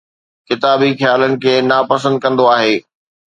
ڪتابي خيالن کي ناپسند ڪندو آهي